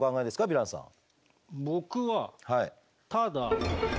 ヴィランさん。